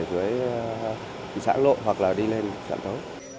dưới sản lộ hoặc đi lên sản thấu